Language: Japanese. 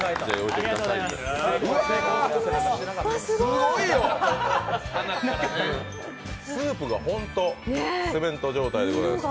すごいよ、スープがホントセメント状態でございます。